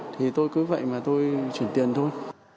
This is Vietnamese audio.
thì tôi cứ vậy mà tôi chuyển tiền thôi